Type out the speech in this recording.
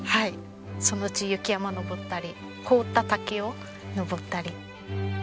そのうち雪山を登ったり凍った滝を登ったり。